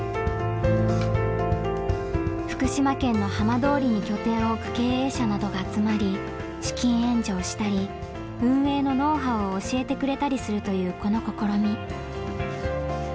福島県の浜通りに拠点を置く経営者などが集まり資金援助をしたり運営のノウハウを教えてくれたりするというこの試み。